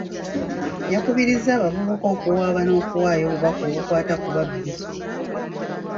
Yakubirizza abavubuka okuwaaba n'okuwaayo obubaka obukwata ku babbi.